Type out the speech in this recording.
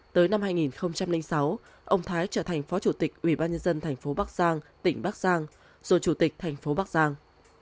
tới năm hai nghìn sáu ông thái trở thành phó chủ tịch ủy ban nhân dân thành phố bắc giang tỉnh bắc giang rồi chủ tịch thành phố bắc giang